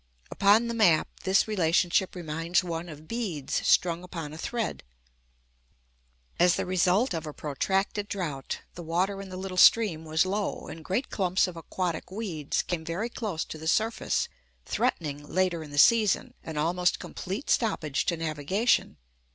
Upon the map this relationship reminds one of beads strung upon a thread. As the result of a protracted drought, the water in the little stream was low, and great clumps of aquatic weeds came very close to the surface, threatening, later in the season, an almost complete stoppage to navigation.